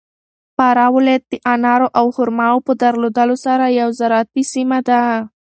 فراه ولایت د انارو او خرماوو په درلودلو سره یو زراعتي سیمه ده.